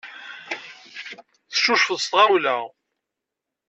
Teccucfeḍ s tɣawla.